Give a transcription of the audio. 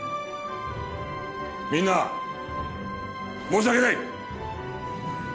みんな申し訳ない！